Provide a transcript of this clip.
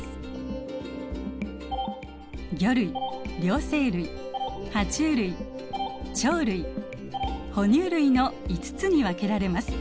魚類両生類ハチュウ類鳥類哺乳類の５つに分けられます。